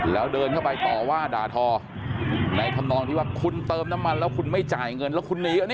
แล้วเดินเข้าไปต่อว่าด่าทอในธรรมนองที่ว่าคุณเติมน้ำมันแล้วคุณไม่จ่ายเงินแล้วคุณหนีอันนี้